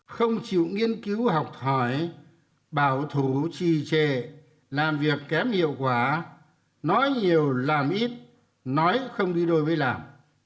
không chịu nghiên cứu học hỏi bảo thủ trì trệ làm việc kém hiệu quả nói nhiều làm ít nói không đi đôi với làm